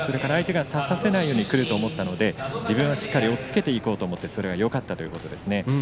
相手が差させないように来ると思ったので自分でしっかり押っつけていこうと思ってそれがよかったということです。